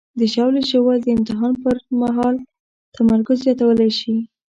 د ژاولې ژوول د امتحان پر مهال تمرکز زیاتولی شي.